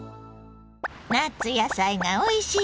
夏野菜がおいしい